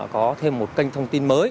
có thêm một kênh thông tin mới